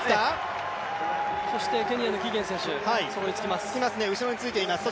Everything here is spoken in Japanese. そしてケニアのキゲン選手追いつきます。